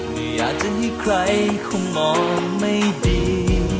ไม่อยากจะให้ใครคงมองไม่ดี